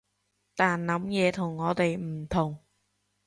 佢諗嘢同我哋唔同